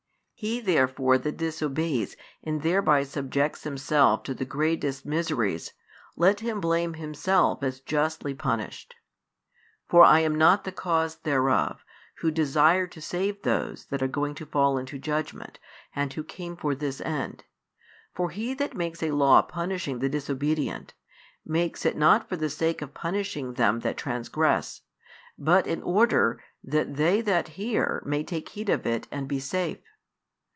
He therefore that disobeys and thereby subjects himself to the greatest miseries, let him blame |164 himself as justly punished." For I am not the cause thereof, Who desire to save those that are going to fall into judgment, and Who came for this end. For he that makes a law punishing the disobedient, makes it not for the sake of punishing them that transgress it, but in order that they that hear may take heed of it and be safe.